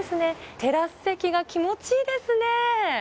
テラス席が気持ちいいですね。